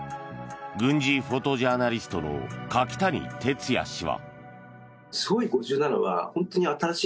軍事フォトジャーナリストの柿谷哲也氏は。